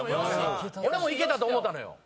俺もいけたと思うたのよ。